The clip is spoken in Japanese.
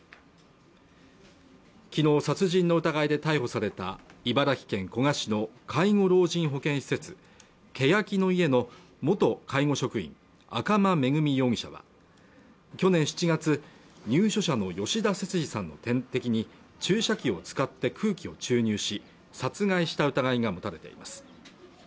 昨日殺人の疑いで逮捕された茨城県古河市の介護老人保健施設けやきの舎の元介護職員赤間恵美容疑者は去年７月入所者の吉田節次さんの点滴に注射器を使って空気を注入し殺害した疑いが持たれています